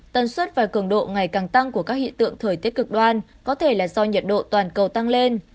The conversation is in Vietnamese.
tân suất và cường độ ngày càng tăng của các hiện tượng thời tiết cực đoan có thể là do nhiệt độ toàn cầu tăng lên